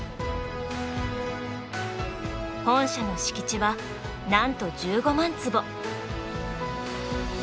本社の敷地はなんと１５万坪。